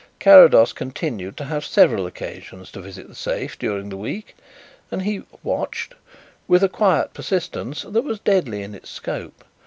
Carrados continued to have several occasions to visit the safe during the week, and he "watched" with a quiet persistence that was deadly in its scope.